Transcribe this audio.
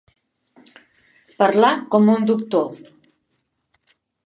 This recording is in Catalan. Parlar com un doctor.